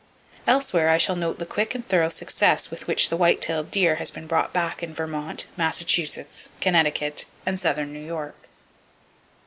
Elsewhere I shall note the quick and thorough success with which the white tailed deer has been brought back in Vermont, Massachusetts, Connecticut, and southern New York.